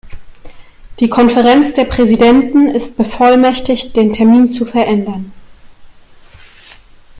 Die Konferenz der Präsidenten ist bevollmächtigt, den Termin zu verändern.